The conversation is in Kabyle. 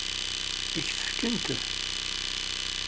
Ad k-t-fkent?